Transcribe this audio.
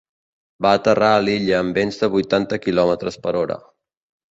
Va aterrar a l’illa amb vents de vuitanta quilòmetres per hora.